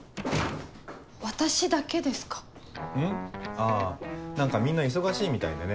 あぁ何かみんな忙しいみたいでね。